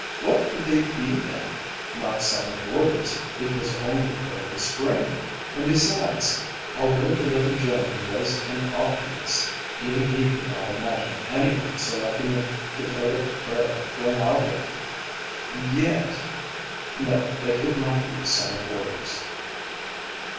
What could they be, then? Not summer boarders. It was only early spring; and, besides, although the little German was an optimist, even he could not imagine any one selecting a Dakota prairie for an outing. Yet ... No, they could not be summer boarders.